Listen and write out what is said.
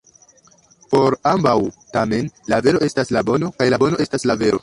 Por ambaŭ, tamen, la vero estas la bono, kaj la bono estas la vero.